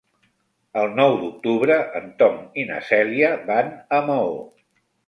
El nou d'octubre en Tom i na Cèlia van a Maó.